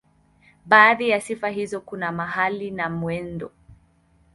Baadhi ya sifa hizo kuna mahali na mwendo.